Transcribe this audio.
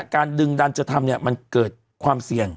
การดึงดันจะทำมันเกิดความเสี่ยง